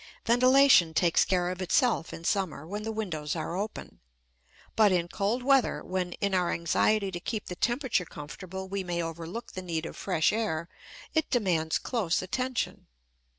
Ventilation takes care of itself in summer, when the windows are open, but in cold weather, when in our anxiety to keep the temperature comfortable we may overlook the need of fresh air, it demands close attention.